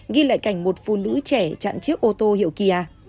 ghi lại cảnh một phụ nữ trẻ chặn chiếc ô tô hiệu kia